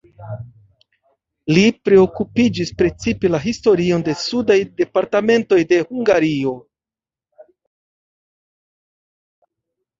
Li priokupiĝis precipe la historion de sudaj departementoj de Hungario.